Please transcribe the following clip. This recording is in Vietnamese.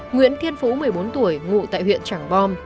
nguyễn thiên phú một mươi bốn tuổi ngụ tại huyện trảng bom